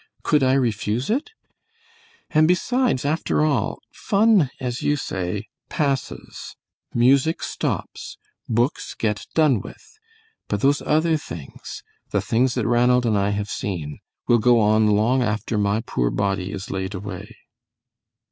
Could I refuse it? And besides after all, fun, as you say, passes; music stops; books get done with; but those other things, the things that Ranald and I have seen, will go on long after my poor body is laid away."